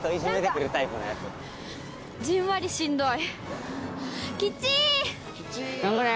じんわりしんどい。